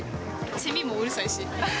セミもうるさいし。